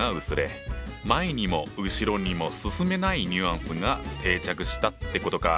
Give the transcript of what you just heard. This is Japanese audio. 「前にも後ろにも進めない」ニュアンスが定着したってことか。